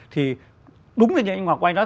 thì đúng như anh hoàng quang nói